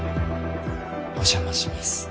お邪魔します。